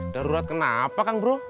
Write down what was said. darurat kenapa kang bro